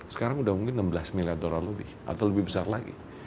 sekarang sudah mungkin enam belas miliar dolar lebih atau lebih besar lagi